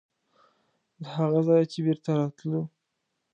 د هغه ځایه چې بېرته راتلو.